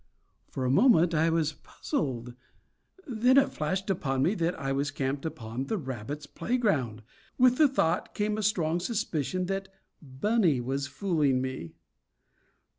For a moment I was puzzled. Then it flashed upon me that I was camped upon the rabbits' playground. With the thought came a strong suspicion that Bunny was fooling me.